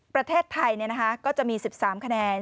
ประเทศไทยก็จะมี๑๓คะแนน